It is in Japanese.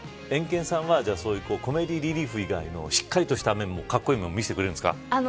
エンケンさんはコメディーリリーフ以外のしっかりとしたかっこいいのも見せてくれるんですか。